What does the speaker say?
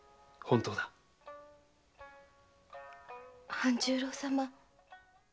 半十郎様。